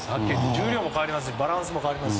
重量も変わりますしバランスも変わります。